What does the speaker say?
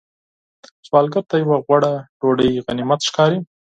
سوالګر ته یو غوړه ډوډۍ غنیمت ښکاري